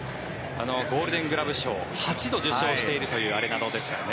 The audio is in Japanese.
ゴールデングラブ賞を８度受賞しているというアレナドですからね。